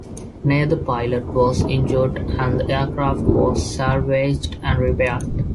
Neither pilot was injured and the aircraft was salvaged and repaired.